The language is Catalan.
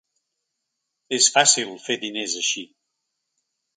És fàcil fer diners així.